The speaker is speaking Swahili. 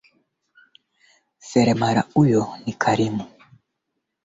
Aliendelea kumuelezea mtaalamu wa ufundi hofu yake huku akimwambia hakuna anayemuanini kwa sasa